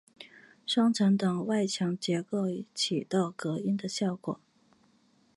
双层的外墙结构起到隔音的效果。